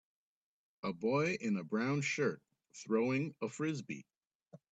a boy in a brown shirt, throwing a Frisbee.